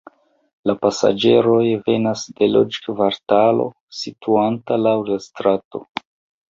La pasaĝeroj venas de loĝkvartalo situanta laŭ la strato.